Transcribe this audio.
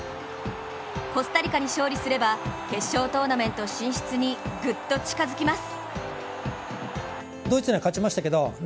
コスタリカに勝利すれば、決勝トーナメント進出にぐっと近づきます。